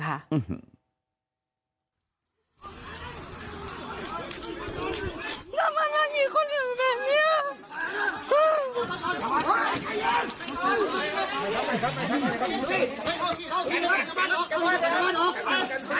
ทำไมมันมีคนอื่นแบบนี้